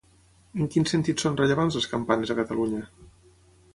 En quin sentit són rellevants les campanes a Catalunya?